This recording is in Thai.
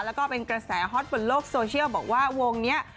แล้วก็เป็นกระแสฮอตบนโลกโซเชียลบอกว่าวงนี้